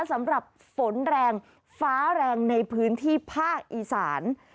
สำหรับฝนแรงฟ้าแรงในพื้นที่ภาคอีสาน